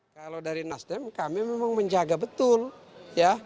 kalau dari nasdem kami memang menjaga betul ya